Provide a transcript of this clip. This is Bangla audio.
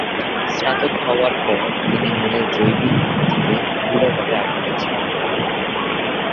স্নাতক হবার পর তিনি মনের জৈবিক ভিত্তিতে দৃঢ়ভাবে আগ্রহী ছিলেন।